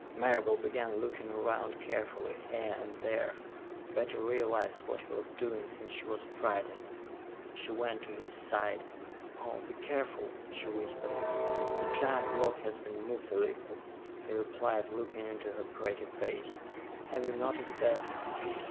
Marable began looking around carefully, here and there. Betty realized what he was doing, and she was frightened. She went to his side. "Oh, be careful," she whispered. "The giant block has been moved a little," he replied, looking into her pretty face. "Have you noticed that?"